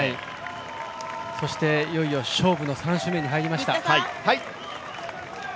そしていよいよ勝負の３周目に入りました。